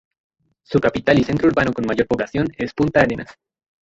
Su capital y centro urbano con mayor población es Punta Arenas.